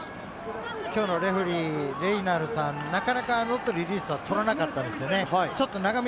きょうのレフェリーのレイナルさん、なかなかノットリリースは取らなかったんですよね。